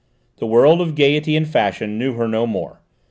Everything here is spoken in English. The world of gaiety and fashion knew her no more.